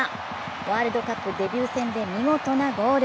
ワールドカップデビュー戦で見事なゴール。